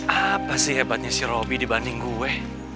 apa sih hebatnya si roby dibanding gue